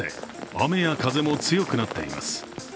雨や風も強くなっています。